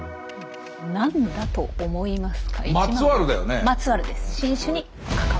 何だと思いますか？